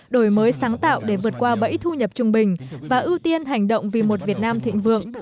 đổi mới sáng tạo để vượt qua bẫy thu nhập trung bình và ưu tiên hành động vì một việt nam thịnh vượng